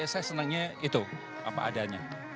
saya senangnya itu apa adanya